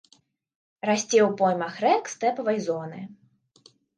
Расце ў поймах рэк стэпавай зоны.